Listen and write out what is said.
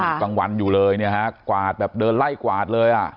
กลางวันอยู่เลยเนี่ยฮะกวาดแบบเดินไล่กวาดเลยอ่ะ